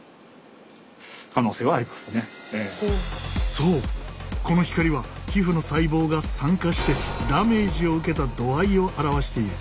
そうこの光は皮膚の細胞が酸化してダメージを受けた度合いを表している。